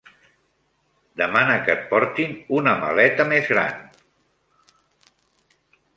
Demana que et portin una maleta més gran?